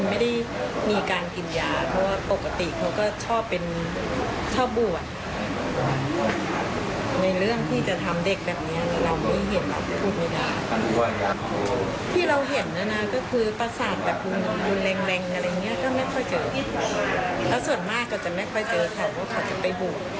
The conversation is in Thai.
ไม่ได้บวชอยู่ในพื้นที่